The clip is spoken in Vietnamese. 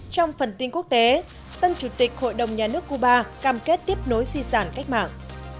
trong phần tin quốc tế tân chủ tịch hội đồng nhà nước cuba cam kết tiếp nối di sản cách mạng